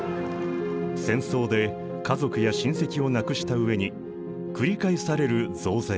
戦争で家族や親戚を亡くした上に繰り返される増税。